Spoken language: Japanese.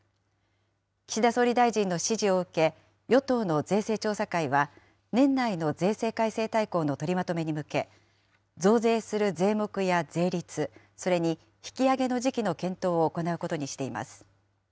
岸田総理大臣の指示を受け、与党の税制調査会は、年内の税制改正大綱の取りまとめに向け、増税する税目や税率、それに引き上げの時期の検討を行うことにしています。